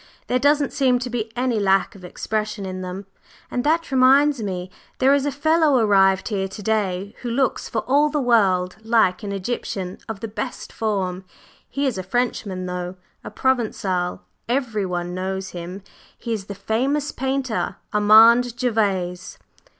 There doesn't seem to be any lack of expression in them. And that reminds me, there is a fellow arrived here to day who looks for all the world like an Egyptian, of the best form. He is a Frenchman, though; a Provençal, every one knows him, he is the famous painter, Armand Gervase."